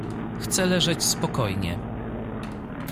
Chce leżeć spokojnie.